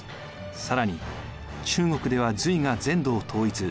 更に中国では隋が全土を統一。